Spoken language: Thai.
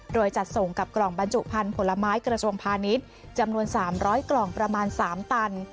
โดยจัดส่งกับกล่องบรรจุภัณฑ์ผลไม้เกราะส่วนพาณิชย์จำนวนสามร้อยกล่องประมาณสามตัน